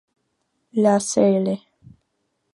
La cl